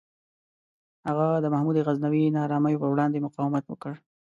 هغه د محمود غزنوي نارامیو پر وړاندې مقاومت وکړ.